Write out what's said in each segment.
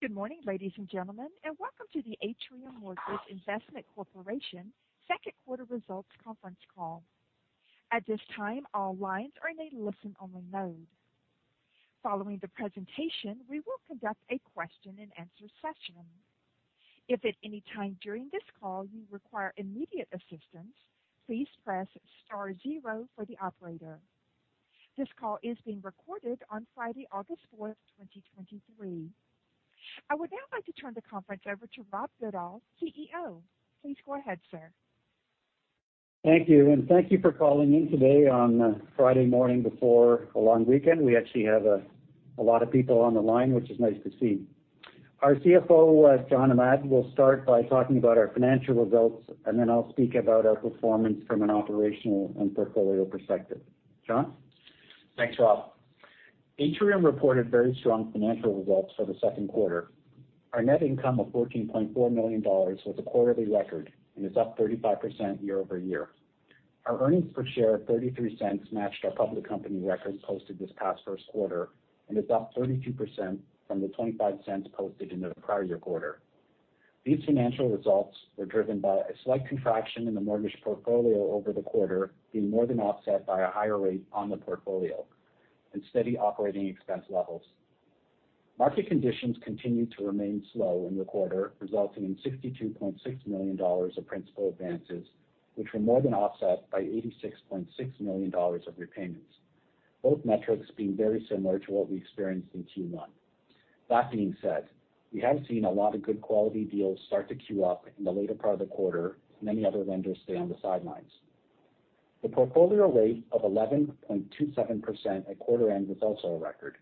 Good morning, ladies and gentlemen, and welcome to the Atrium Mortgage Investment Corporation second quarter results conference call. At this time, all lines are in a listen-only mode. Following the presentation, we will conduct a Q&A session. If at any time during this call you require immediate assistance, please press star zero for the operator. This call is being recorded on Friday, August 4th, 2023. I would now like to turn the conference over to Rob Goodall, CEO. Please go ahead, sir. Thank you, and thank you for calling in today on Friday morning before a long weekend. We actually have a lot of people on the line, which is nice to see. Our Chief Financial Officer, John Ahmad, will start by talking about our financial results, and then I'll speak about our performance from an operational and portfolio perspective. John? Thanks, Rob. Atrium reported very strong financial results for the second quarter. Our net income of 14.4 million dollars was a quarterly record and is up 35% year-over-year. Our earnings per share of 0.33 matched our public company records posted this past first quarter and is up 32% from the 0.25 posted in the prior-year quarter. These financial results were driven by a slight contraction in the mortgage portfolio over the quarter, being more than offset by a higher rate on the portfolio and steady operating expense levels. Market conditions continued to remain slow in the quarter, resulting in 62.6 million dollars of principal advances, which were more than offset by 86.6 million dollars of repayments, both metrics being very similar to what we experienced in Q1. That being said, we have seen a lot of good quality deals start to queue up in the later part of the quarter, many other lenders stay on the sidelines. The portfolio rate of 11.27% at quarter end is also a record.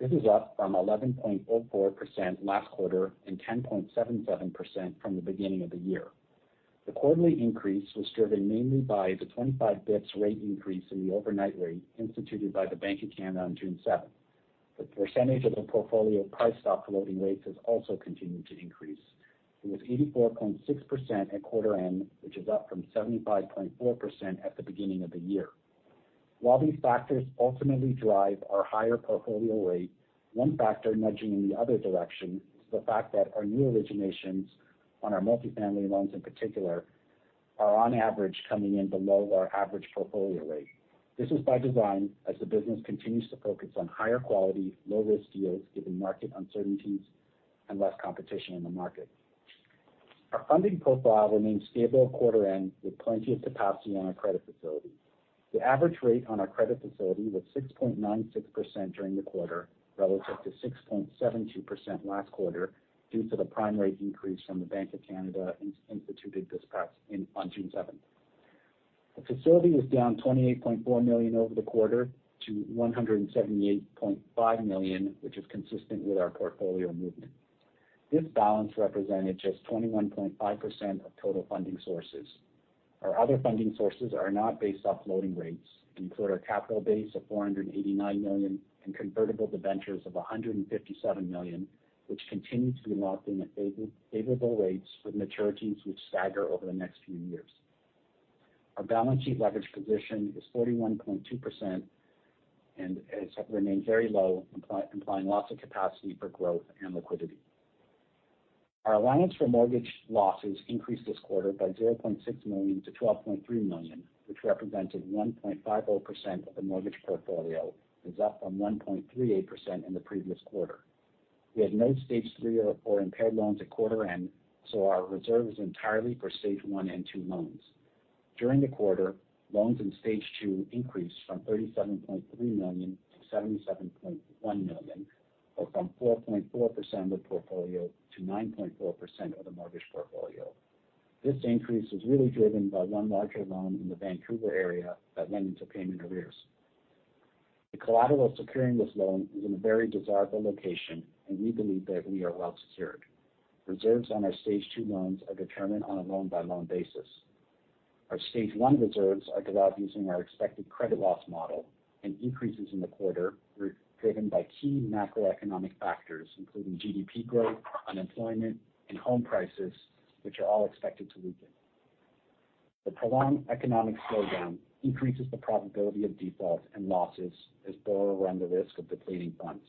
This is up from 11.44% last quarter and 10.77% from the beginning of the year. The quarterly increase was driven mainly by the 25 basis point rate increase in the overnight rate instituted by the Bank of Canada on June 7. The percentage of the portfolio priced off lending rates has also continued to increase. It was 84.6% at quarter end, which is up from 75.4% at the beginning of the year. While these factors ultimately drive our higher portfolio rate, one factor nudging in the other direction is the fact that our new originations on our multifamily loans in particular, are on average, coming in below our average portfolio rate. This is by design as the business continues to focus on higher quality, low-risk deals, given market uncertainties and less competition in the market. Our funding profile remained stable at quarter end, with plenty of capacity on our credit facility. The average rate on our credit facility was 6.96% during the quarter, relative to 6.72% last quarter, due to the prime rate increase from the Bank of Canada instituted on June seventh. The facility was down 28.4 million over the quarter to 178.5 million, which is consistent with our portfolio movement. This balance represented just 21.5% of total funding sources. Our other funding sources are not based off lending rates and include our capital base of 489 million and convertible debentures of 157 million, which continue to be locked in at favorable, favorable rates, with maturities which stagger over the next few years. Our balance sheet leverage position is 31.2% and has remained very low, implying, implying lots of capacity for growth and liquidity. Our allowance for mortgage losses increased this quarter by 0.6 million to 12.3 million, which represented 1.50% of the mortgage portfolio. It's up from 1.38% in the previous quarter. We had no Stage 3 or 4 impaired loans at quarter end, so our reserve is entirely for Stage 1 and Stage 2 loans. During the quarter, loans in Stage 2 increased from 37.3 million to 77.1 million, or from 4.4% of the portfolio to 9.4% of the mortgage portfolio. This increase was really driven by one larger loan in the Vancouver area that went into payment arrears. The collateral securing this loan is in a very desirable location, and we believe that we are well secured. Reserves on our Stage 2 loans are determined on a loan-by-loan basis. Our Stage 1 reserves are developed using our expected credit loss model, and increases in the quarter were driven by key macroeconomic factors, including GDP growth, unemployment, and home prices, which are all expected to weaken. The prolonged economic slowdown increases the probability of defaults and losses as borrowers run the risk of depleting funds.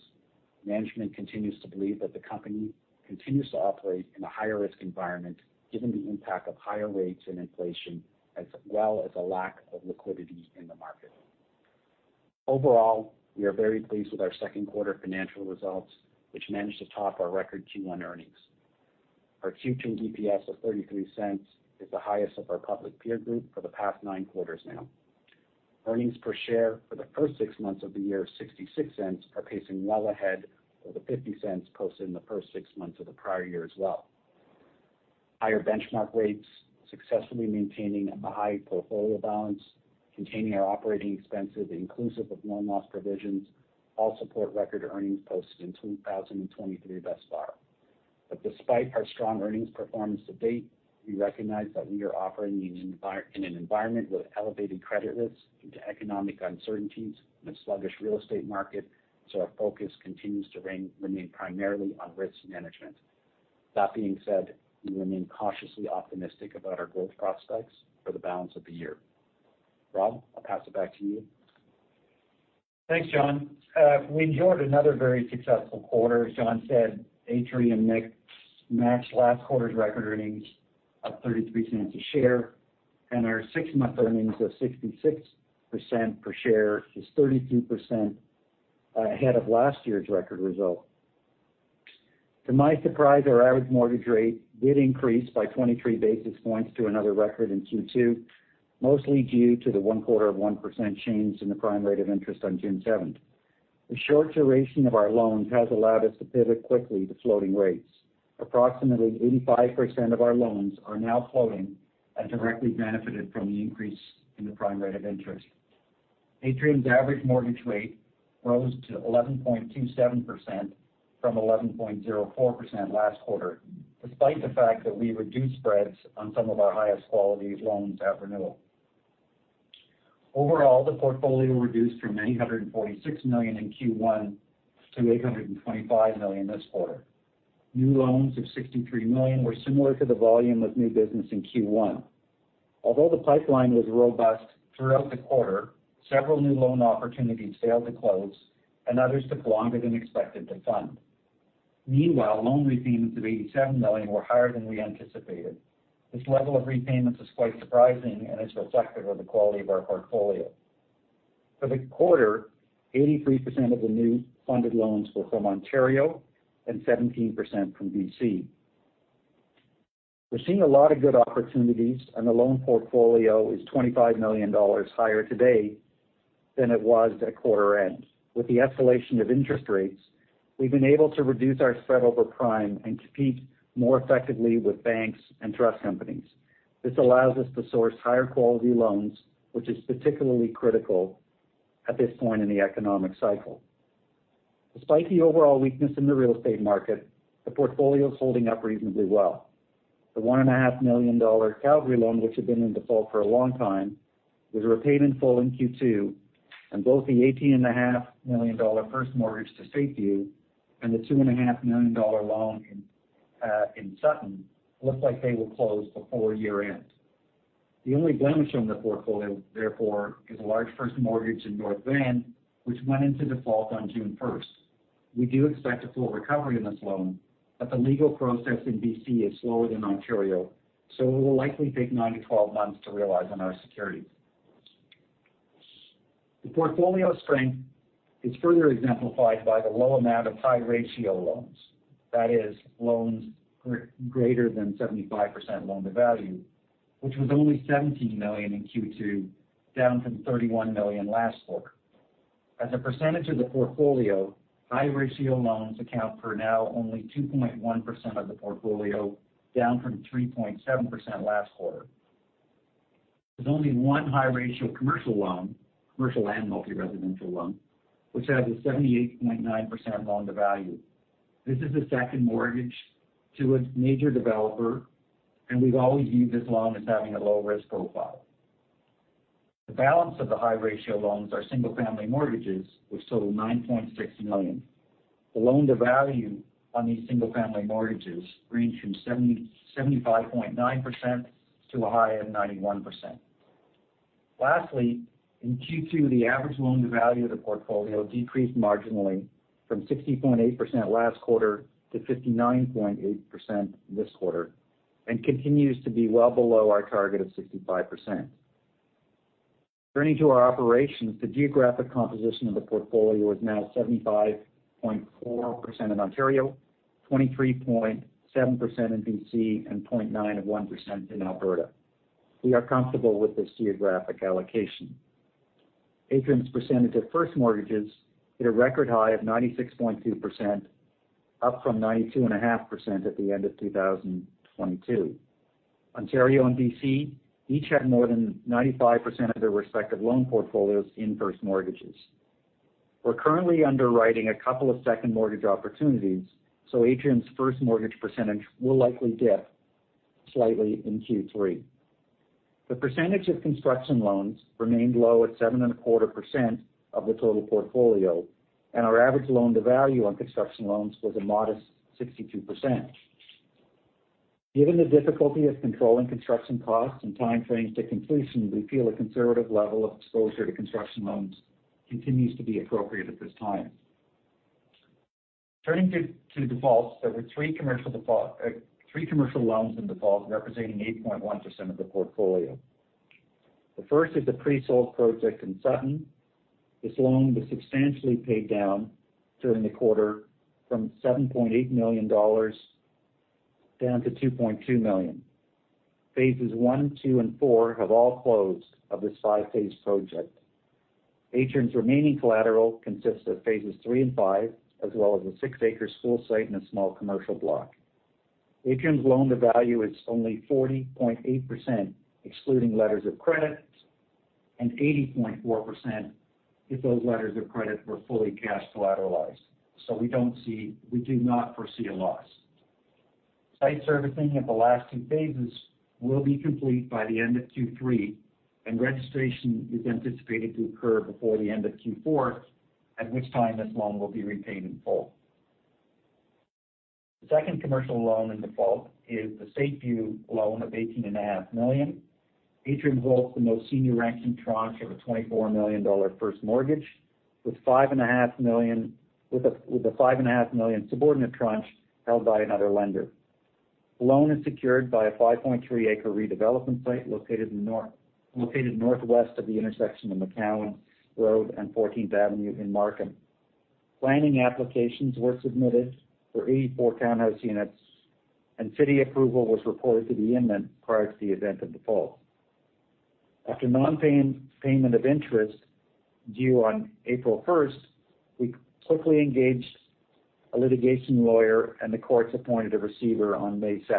Management continues to believe that the company continues to operate in a higher-risk environment, given the impact of higher rates and inflation, as well as a lack of liquidity in the market. Overall, we are very pleased with our second quarter financial results, which managed to top our record Q1 earnings. Our Q2 EPS of 0.33 is the highest of our public peer group for the past nine quarters now. Earnings per share for the first six months of the year of CAD 0.66 are pacing well ahead of the 0.50 posted in the first six months of the prior year as well. Higher benchmark rates, successfully maintaining a high portfolio balance, containing our operating expenses, inclusive of loan loss provisions, all support record earnings posted in 2023 thus far. Despite our strong earnings performance to date, we recognize that we are operating in an environment, in an environment with elevated credit risks due to economic uncertainties and a sluggish real estate market, so our focus continues to remain primarily on risk management. That being said, we remain cautiously optimistic about our growth prospects for the balance of the year. Rob, I'll pass it back to you. Thanks, John. We enjoyed another very successful quarter. As John said, Atrium matched last quarter's record earnings of 0.33 a share. Our six-month earnings of 66% per share is 32% ahead of last year's record result. To my surprise, our average mortgage rate did increase by 23 basis points to another record in Q2, mostly due to the 0.25% change in the prime rate of interest on June 7th. The short duration of our loans has allowed us to pivot quickly to floating rates. Approximately 85% of our loans are now floating and directly benefited from the increase in the prime rate of interest. Atrium's average mortgage rate rose to 11.27% from 11.04% last quarter, despite the fact that we reduced spreads on some of our highest-quality loans at renewal. Overall, the portfolio reduced from 846 million in Q1 to 825 million this quarter. New loans of 63 million were similar to the volume of new business in Q1. Although the pipeline was robust throughout the quarter, several new loan opportunities failed to close, and others took longer than expected to fund. Meanwhile, loan repayments of 87 million were higher than we anticipated. This level of repayments is quite surprising and is reflective of the quality of our portfolio. For the quarter, 83% of the new funded loans were from Ontario and 17% from BC. We're seeing a lot of good opportunities, and the loan portfolio is 25 million dollars higher today than it was at quarter end. With the escalation of interest rates, we've been able to reduce our spread over prime and compete more effectively with banks and trust companies. This allows us to source higher-quality loans, which is particularly critical at this point in the economic cycle. Despite the overall weakness in the real estate market, the portfolio is holding up reasonably well. The 1.5 million dollar Calgary loan, which had been in default for a long time, was repaid in full in Q2, and both the 18.5 million dollar first mortgage to Stateview and the 2.5 million dollar loan in Sutton look like they will close before year-end. The only blemish on the portfolio, therefore, is a large first mortgage in North Van, which went into default on June 1st. We do expect a full recovery on this loan, but the legal process in BC is slower than Ontario, so it will likely take nine-12 months to realize on our securities. The portfolio strength is further exemplified by the low amount of high-ratio loans. That is, loans greater than 75% loan-to-value, which was only 17 million in Q2, down from 31 million last quarter. As a percentage of the portfolio, high-ratio loans account for now only 2.1% of the portfolio, down from 3.7% last quarter. There's only one high-ratio commercial loan, commercial and multi-residential loan, which has a 78.9% loan-to-value. This is a second mortgage to a major developer, and we've always viewed this loan as having a low-risk profile. The balance of the high-ratio loans are single-family mortgages, which total 9.6 million. The loan-to-value on these single-family mortgages range from 75.9% to a high of 91%. Lastly, in Q2, the average loan-to-value of the portfolio decreased marginally from 60.8% last quarter to 59.8% this quarter and continues to be well below our target of 65%. Turning to our operations, the geographic composition of the portfolio is now 75.4% in Ontario, 23.7% in BC, and 0.9% in Alberta. We are comfortable with this geographic allocation. Atrium's percentage of first mortgages hit a record high of 96.2%, up from 92.5% at the end of 2022. Ontario and BC each had more than 95% of their respective loan portfolios in first mortgages. We're currently underwriting a couple of second mortgage opportunities, so Atrium's first mortgage percentage will likely dip slightly in Q3. The percentage of construction loans remained low at 7.25% of the total portfolio. Our average loan-to-value on construction loans was a modest 62%. Given the difficulty of controlling construction costs and timeframes to completion, we feel a conservative level of exposure to construction loans continues to be appropriate at this time. Turning to defaults, there were three commercial loans in default, representing 8.1% of the portfolio. The first is the pre-sold project in Sutton. This loan was substantially paid down during the quarter from $7.8 million down to $2.2 million. Phases one, two, and four have all closed of this five-phase project. Atrium's remaining collateral consists of phases three and five, as well as a six-acre school site and a small commercial block. Atrium's loan-to-value is only 40.8%, excluding letters of credit, and 80.4% if those letters of credit were fully cash collateralized. We do not foresee a loss. Site servicing of the last two phases will be complete by the end of Q3, and registration is anticipated to occur before the end of Q4, at which time this loan will be repaid in full. The second commercial loan in default is the Stateview loan of $18.5 million. Atrium holds the most senior-ranking tranche of a $24 million first mortgage, with a $5.5 million subordinate tranche held by another lender. The loan is secured by a 5.3 acre redevelopment site located northwest of the intersection of McCowan Road and 14th Avenue in Markham. Planning applications were submitted for 84 townhouse units, and city approval was reported to be imminent prior to the event of default. After non-paying payment of interest due on April 1, we quickly engaged a litigation lawyer, and the courts appointed a receiver on May 2.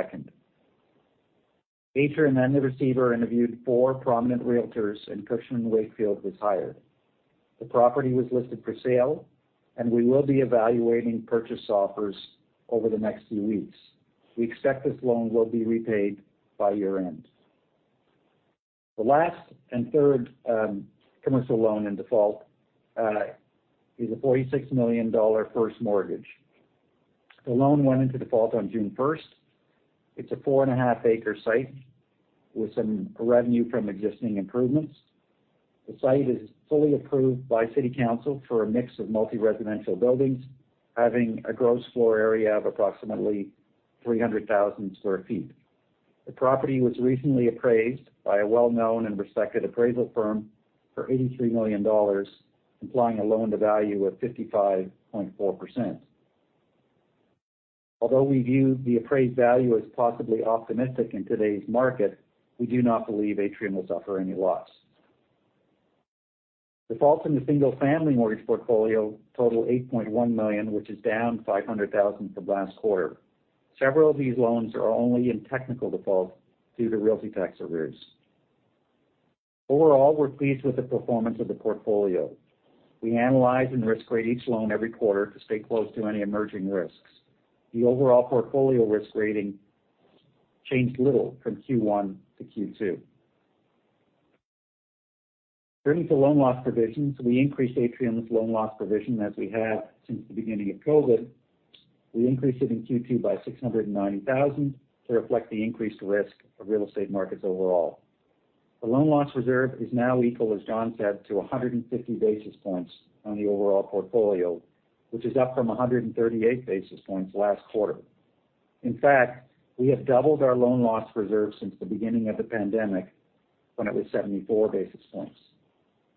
Atrium and the receiver interviewed four prominent realtors, and Cushman & Wakefield was hired. The property was listed for sale, and we will be evaluating purchase offers over the next few weeks. We expect this loan will be repaid by year-end. The last and third commercial loan in default is a 46 million dollar first mortgage. The loan went into default on June 1. It's a 4.5 acre site with some revenue from existing improvements. The site is fully approved by city council for a mix of multi-residential buildings, having a gross floor area of approximately 300,000 sq ft. The property was recently appraised by a well-known and respected appraisal firm for 83 million dollars, implying a loan-to-value of 55.4%. Although we view the appraised value as possibly optimistic in today's market, we do not believe Atrium will suffer any loss. Defaults in the single-family mortgage portfolio total 8.1 million, which is down 500,000 from last quarter. Several of these loans are only in technical default due to realty tax arrears. Overall, we're pleased with the performance of the portfolio. We analyze and risk rate each loan every quarter to stay close to any emerging risks. The overall portfolio risk rating changed little from Q1 to Q2. Turning to loan loss provisions, we increased Atrium's loan loss provision, as we have since the beginning of COVID. We increased it in Q2 by 690,000 to reflect the increased risk of real estate markets overall. The loan loss reserve is now equal, as John said, to 150 basis points on the overall portfolio, which is up from 138 basis points last quarter. In fact, we have doubled our loan loss reserve since the beginning of the pandemic, when it was 74 basis points.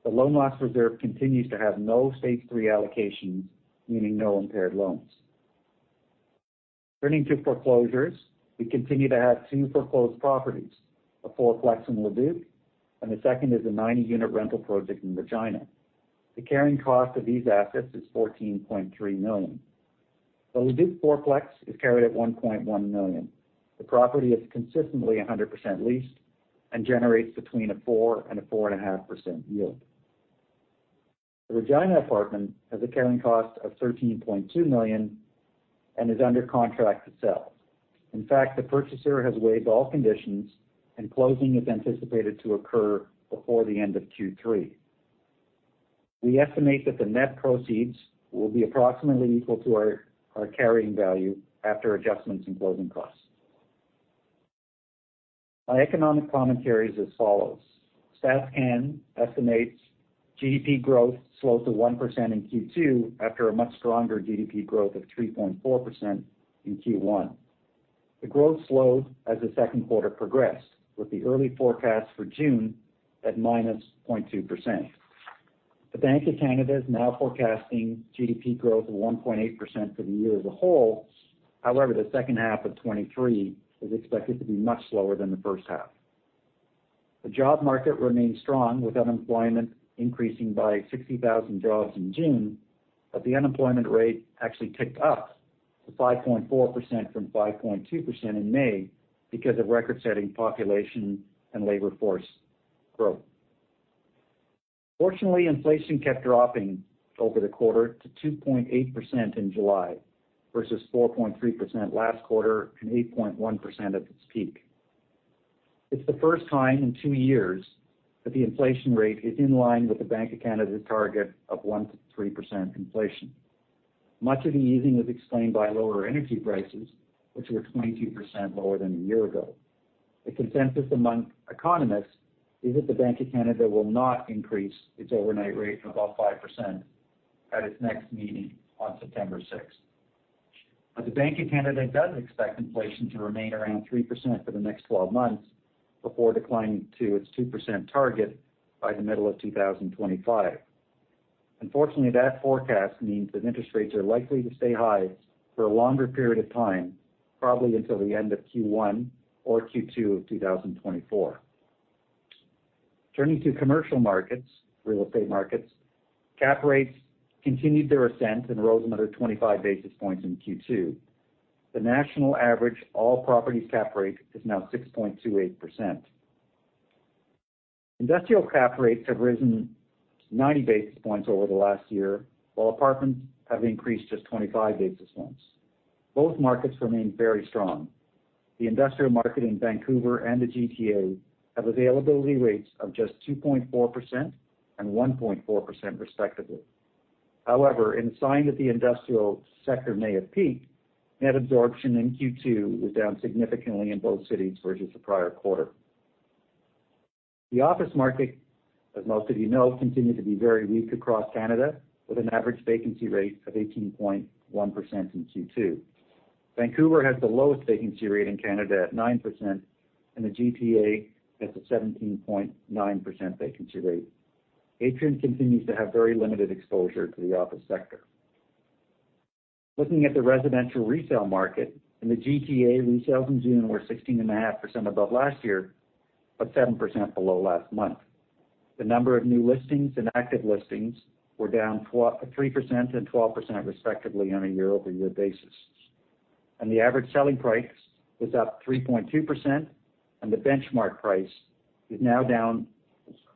The loan loss reserve continues to have no Stage 3 allocations, meaning no impaired loans. Turning to foreclosures, we continue to have two foreclosed properties, a four-plex in Leduc, and the second is a 90-unit rental project in Regina. The carrying cost of these assets is 14.3 million. The Leduc four-plex is carried at 1.1 million. The property is consistently 100% leased and generates between 4% and 4.5% yield. The Regina apartment has a carrying cost of 13.2 million and is under contract to sell. In fact, the purchaser has waived all conditions, and closing is anticipated to occur before the end of Q3. We estimate that the net proceeds will be approximately equal to our, our carrying value after adjustments in closing costs. My economic commentary is as follows: Stats Can estimates GDP growth slowed to 1% in Q2 after a much stronger GDP growth of 3.4% in Q1. The growth slowed as the second quarter progressed, with the early forecast for June at -0.2%. The Bank of Canada is now forecasting GDP growth of 1.8% for the year as a whole. However, the second half of 2023 is expected to be much slower than the first half. The job market remains strong, with unemployment increasing by 60,000 jobs in June, but the unemployment rate actually ticked up to 5.4% from 5.2% in May because of record-setting population and labor force growth. Fortunately, inflation kept dropping over the quarter to 2.8% in July, versus 4.3% last quarter and 8.1% at its peak. It's the first time in two years that the inflation rate is in line with the Bank of Canada's target of 1%-3% inflation. Much of the easing was explained by lower energy prices, which were 22% lower than a year ago. The consensus among economists is that the Bank of Canada will not increase its overnight rate of about 5% at its next meeting on September 6. The Bank of Canada does expect inflation to remain around 3% for the next 12 months before declining to its 2% target by the middle of 2025. Unfortunately, that forecast means that interest rates are likely to stay high for a longer period of time, probably until the end of Q1 or Q2 of 2024. Turning to commercial markets, real estate markets, cap rates continued their ascent and rose another 25 basis points in Q2. The national average all properties cap rate is now 6.28%. Industrial cap rates have risen 90 basis points over the last year, while apartments have increased just 25 basis points. Both markets remain very strong. The industrial market in Vancouver and the GTA have availability rates of just 2.4% and 1.4%, respectively. In a sign that the industrial sector may have peaked, net absorption in Q2 was down significantly in both cities versus the prior quarter. The office market, as most of you know, continued to be very weak across Canada, with an average vacancy rate of 18.1% in Q2. Vancouver has the lowest vacancy rate in Canada at 9%, and the GTA has a 17.9% vacancy rate. Atrium continues to have very limited exposure to the office sector. Looking at the residential resale market, in the GTA, resales in June were 16.5% above last year, but 7% below last month. The number of new listings and active listings were down 3% and 12% respectively on a year-over-year basis. The average selling price was up 3.2%, and the benchmark price is now down,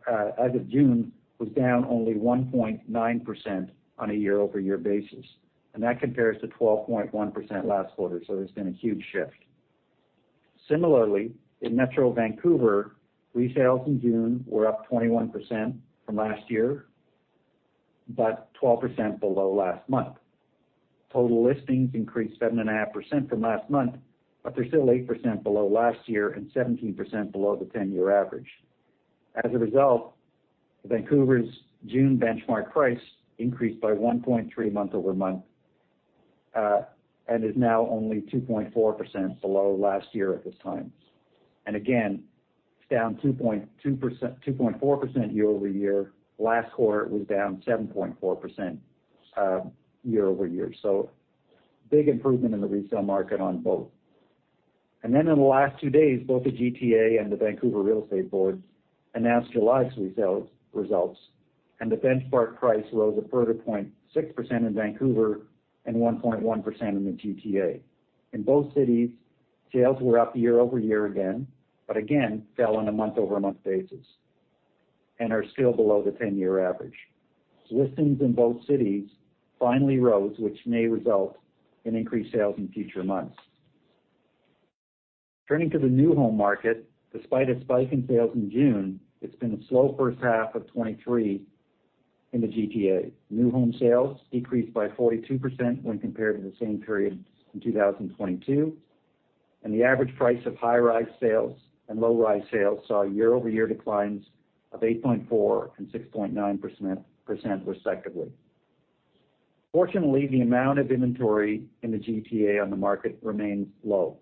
as of June, was down only 1.9% on a year-over-year basis, and that compares to 12.1% last quarter, so there's been a huge shift. Similarly, in Metro Vancouver, resales in June were up 21% from last year, but 12% below last month. Total listings increased 7.5% from last month, but they're still 8% below last year and 17% below the 10-year average. As a result, Vancouver's June benchmark price increased by 1.3 month-over-month, and is now only 2.4% below last year at this time. Again, it's down 2.4% year-over-year. Last quarter, it was down 7.4% year-over-year. Big improvement in the resale market on both. Then in the last 2 days, both the GTA and the Vancouver Real Estate Board announced July's resales results, and the benchmark price rose a further 0.6% in Vancouver and 1.1% in the GTA. In both cities, sales were up year-over-year again, but again, fell on a month-over-month basis and are still below the 10-year average. Listings in both cities finally rose, which may result in increased sales in future months. Turning to the new home market, despite a spike in sales in June, it's been a slow first half of 2023 in the GTA. New home sales decreased by 42% when compared to the same period in 2022, and the average price of high-rise sales and low-rise sales saw year-over-year declines of 8.4% and 6.9%, % respectively. Fortunately, the amount of inventory in the GTA on the market remains low.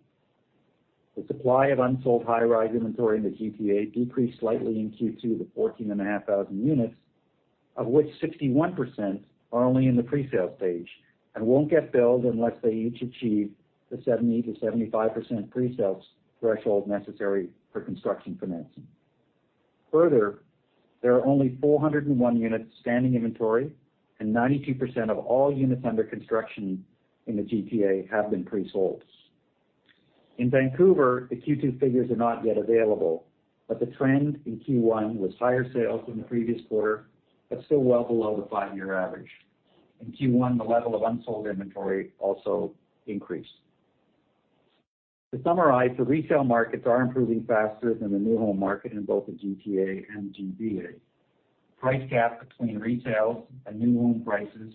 The supply of unsold high-rise inventory in the GTA decreased slightly in Q2 to 14,500 units, of which 61% are only in the presale stage and won't get built unless they each achieve the 70%-75% presales threshold necessary for construction financing. Further, there are only 401 units standing inventory, and 92% of all units under construction in the GTA have been presold. In Vancouver, the Q2 figures are not yet available, but the trend in Q1 was higher sales than the previous quarter, but still well below the five-year average. In Q1, the level of unsold inventory also increased. To summarize, the resale markets are improving faster than the new home market in both the GTA and GVA. Price gap between resales and new home prices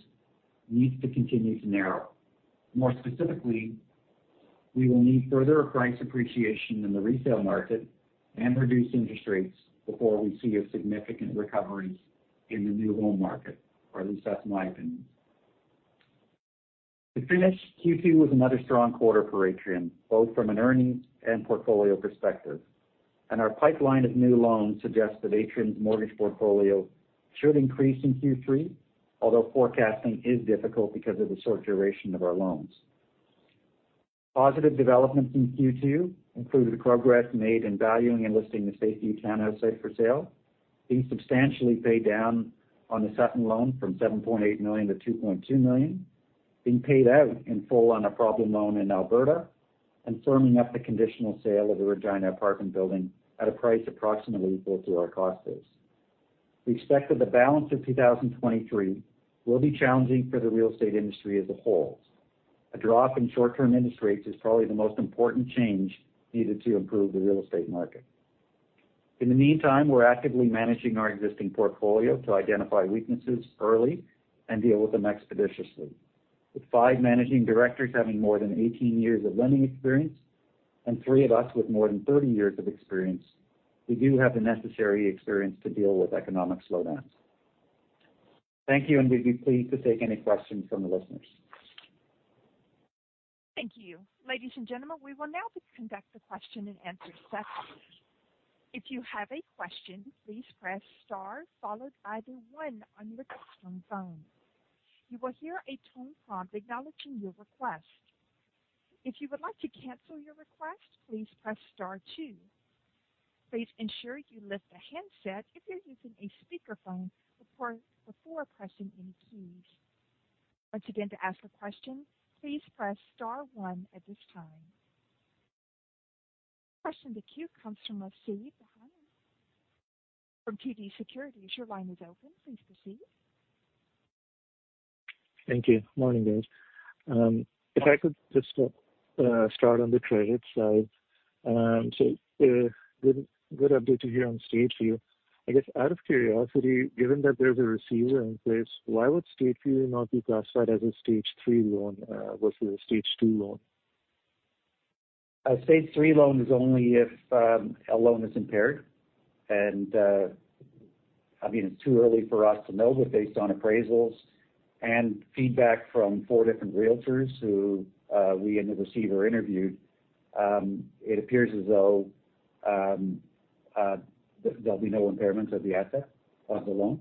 needs to continue to narrow. More specifically, we will need further price appreciation in the resale market and reduced interest rates before we see a significant recovery in the new home market, or at least that's my opinion. To finish, Q2 was another strong quarter for Atrium, both from an earnings and portfolio perspective, and our pipeline of new loans suggests that Atrium's mortgage portfolio should increase in Q3, although forecasting is difficult because of the short duration of our loans. Positive developments in Q2 included progress made in valuing and listing the Stateview Townhouse site for sale, being substantially paid down on the second loan from 7.8 million to 2.2 million, being paid out in full on a problem loan in Alberta, and firming up the conditional sale of the Regina apartment building at a price approximately equal to our costs. We expect that the balance of 2023 will be challenging for the real estate industry as a whole. A drop in short-term interest rates is probably the most important change needed to improve the real estate market. In the meantime, we're actively managing our existing portfolio to identify weaknesses early and deal with them expeditiously. With five managing directors having more than 18 years of lending experience and three of us with more than 30 years of experience, we do have the necessary experience to deal with economic slowdowns. Thank you. We'd be pleased to take any questions from the listeners. Thank you. Ladies and gentlemen, we will now conduct the Q&A session. If you have a question, please press star followed by the one on your customer phone. You will hear a tone prompt acknowledging your request. If you would like to cancel your request, please press star two. Please ensure you lift the handset if you're using a speakerphone before pressing any keys. Once again, to ask a question, please press star one at this time. The first in the queue comes from a Steve from TD Securities. Your line is open, please proceed. Thank you. Morning, guys. If I could just start on the credit side. So, good, good update to hear on Stateview. I guess, out of curiosity, given that there's a receiver in place, why would Stateview not be classified as a Stage 3 loan versus a Stage 2 loan? A Stage 3 loan is only if a loan is impaired. I mean, it's too early for us to know, but based on appraisals and feedback from four different realtors who we and the receiver interviewed, it appears as though there'll be no impairment of the asset, of the loan.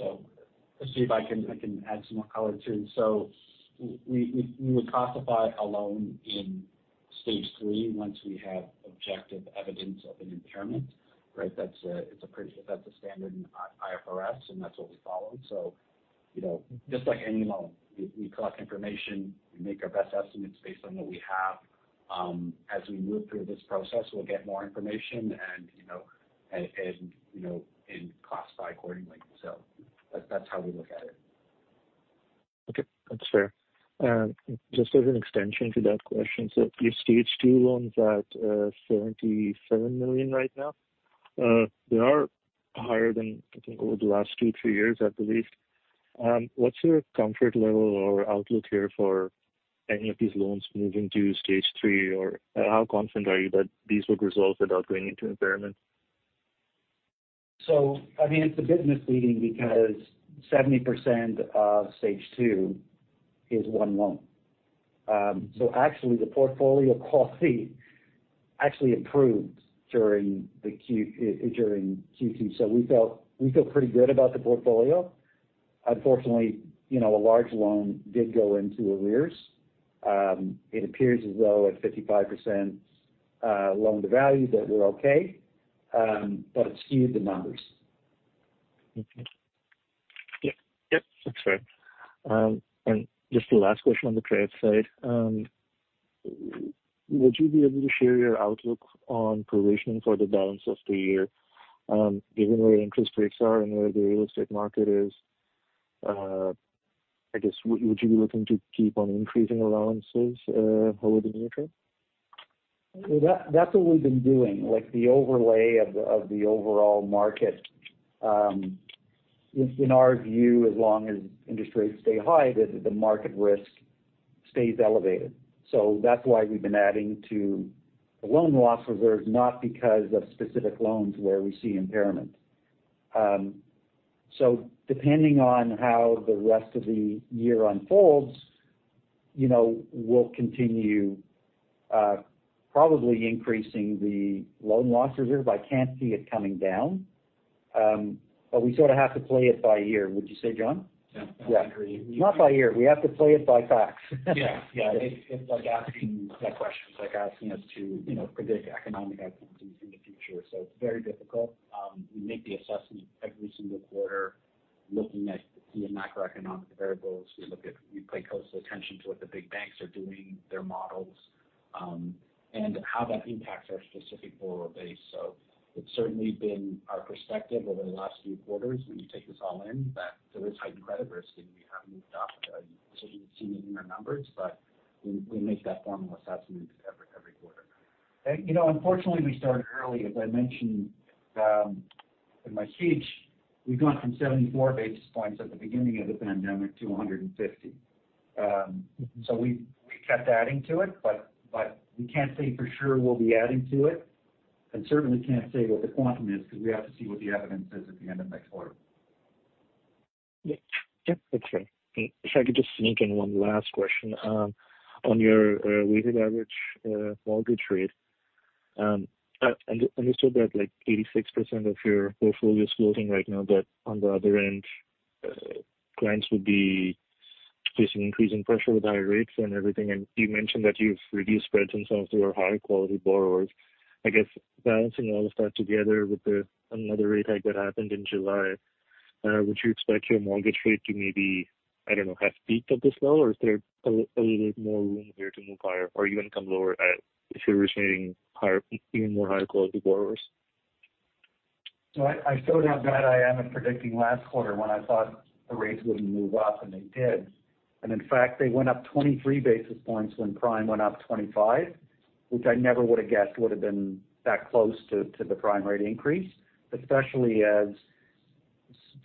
Let's see if I can, I can add some more color, too. We, we, we would classify a loan in Stage 3 once we have objective evidence of an impairment, right? That's a standard IFRS, and that's what we follow. You know, just like any loan, we, we collect information, we make our best estimates based on what we have. As we move through this process, we'll get more information and, you know, and, and, you know, and classify accordingly. That's how we look at it. Okay, that's fair. Just as an extension to that question, your Stage 2 loans at CAD 77 million right now, they are higher than, I think, over the last two, three years, at the least. What's your comfort level or outlook here for any of these loans moving to Stage 3? Or how confident are you that these would resolve without going into impairment? I mean, it's a bit misleading because 70% of Stage 2 is one loan. Actually, the portfolio quality actually improved during Q2. We feel pretty good about the portfolio. Unfortunately, you know, a large loan did go into arrears. It appears as though at 55% loan-to-value, that we're okay, but it skewed the numbers. Okay. Yep, yep, that's fair. Just the last question on the trade side. Would you be able to share your outlook on provision for the balance of the year, given where interest rates are and where the real estate market is, I guess, would you be looking to keep on increasing allowances over the near term? Well, that's what we've been doing. Like, the overlay of the, of the overall market, in our view, as long as interest rates stay high, the, the market risk stays elevated. That's why we've been adding to the loan loss reserve, not because of specific loans where we see impairment. Depending on how the rest of the year unfolds, you know, we'll continue, probably increasing the loan loss reserve. I can't see it coming down. But we sort of have to play it by ear. Would you say, John? Yeah, I agree. Not by ear. We have to play it by facts. Yeah, yeah. It's like asking that question. It's like asking us to, you know, predict economic activities in the future, so it's very difficult. We make the assessment every single quarter looking at key macroeconomic variables. We pay close attention to what the big banks are doing, their models, and how that impacts our specific borrower base. It's certainly been our perspective over the last few quarters, when you take this all in, that there is heightened credit risk, and we have moved up, as you can see in our numbers, but we, we make that formal assessment every, every quarter. You know, unfortunately, we started early. As I mentioned, in my speech, we've gone from 74 basis points at the beginning of the pandemic to 150. We, we kept adding to it, but, but we can't say for sure we'll be adding to it, and certainly can't say what the quantum is, because we have to see what the evidence is at the end of next quarter. Yeah. Yep, that's fair. If I could just sneak in one last question. On your weighted average mortgage rate, I understood that, like, 86% of your portfolio is floating right now, but on the other end, clients would be facing increasing pressure with higher rates and everything. You mentioned that you've reduced spreads on some of your higher quality borrowers. I guess balancing all of that together with the another rate hike that happened in July, would you expect your mortgage rate to maybe, I don't know, have peaked at this low? Or is there a little more room here to move higher or even come lower at, if you're retaining higher, even more higher quality borrowers? I, I showed how bad I am at predicting last quarter, when I thought the rates wouldn't move up, and they did. In fact, they went up 23 basis points when prime went up 25, which I never would've guessed would've been that close to, to the prime rate increase, especially as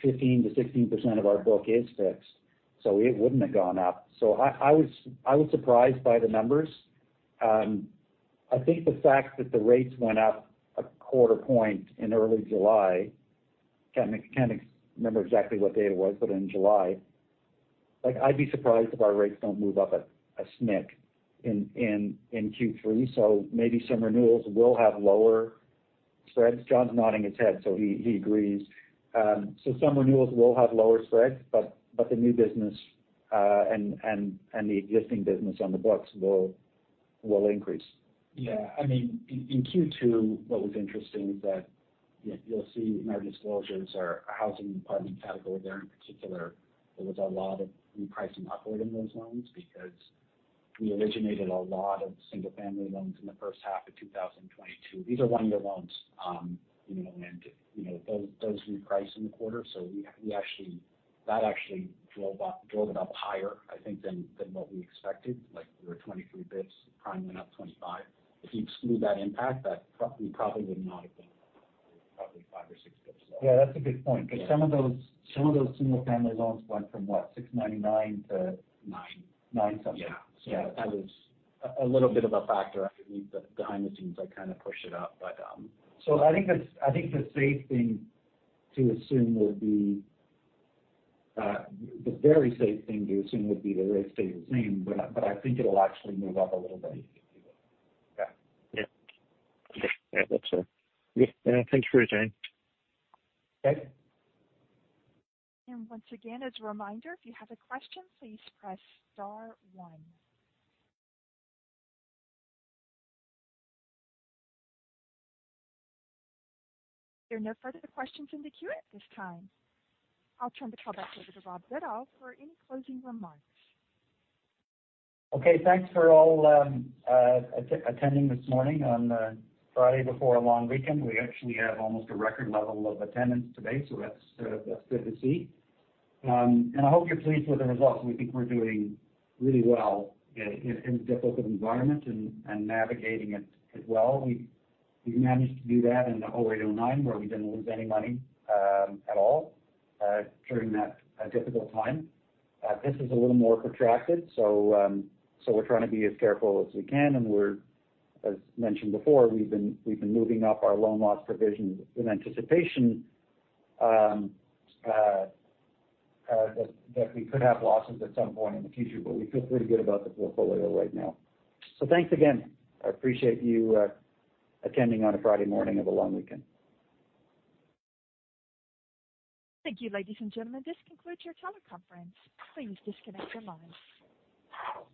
15%-16% of our book is fixed, so it wouldn't have gone up. I, I was, I was surprised by the numbers. I think the fact that the rates went up 0.25 point in early July, can't, can't remember exactly what date it was, but in July, like, I'd be surprised if our rates don't move up a snick in Q3. Maybe some renewals will have lower spreads. John's nodding his head, so he, he agrees. Some renewals will have lower spreads, but the new business, and the existing business on the books will increase. Yeah. I mean, in, in Q2, what was interesting is that, you'll see in our disclosures, our housing department category there in particular, there was a lot of repricing upward in those loans because we originated a lot of single-family loans in the first half of 2022. These are one-year loans, you know, and, you know, those, those reprice in the quarter. That actually drove up, drove it up higher, I think, than, than what we expected. Like, we were 23 bps, prime went up 25. If you exclude that impact, we probably would not have been probably 5 or 6 bps. Yeah, that's a good point. Yeah. Some of those, some of those single-family loans went from, what? 6.99% to- Nine. Nine something. Yeah. Yeah. That was a little bit of a factor, I believe, behind the scenes that kind of pushed it up, but. I think the safe thing to assume would be, the very safe thing to assume would be the rates stay the same, but I, but I think it'll actually move up a little bit. Yeah. Yeah. Okay, yeah, that's it. Yeah, thank you very much, John. Okay. Once again, as a reminder, if you have a question, please press star one. There are no further questions in the queue at this time. I'll turn the call back over to Rob Goodall for any closing remarks. Okay, thanks for all attending this morning on the Friday before a long weekend. We actually have almost a record level of attendance today, that's good to see. I hope you're pleased with the results. We think we're doing really well in a difficult environment and navigating it as well. We, we've managed to do that in 2008, 2009, where we didn't lose any money at all during that difficult time. This is a little more protracted, we're trying to be as careful as we can, and we're, as mentioned before, we've been, we've been moving up our loan loss provisions in anticipation that we could have losses at some point in the future. We feel pretty good about the portfolio right now. Thanks again. I appreciate you, attending on a Friday morning of a long weekend. Thank you, ladies and gentlemen. This concludes your teleconference. Please disconnect your lines.